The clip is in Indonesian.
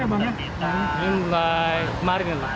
ini mulai kemarin